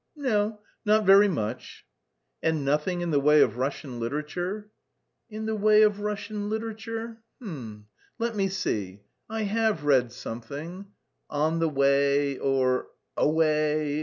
"No, not very much." "And nothing in the way of Russian literature?" "In the way of Russian literature? Let me see, I have read something.... 'On the Way' or 'Away!'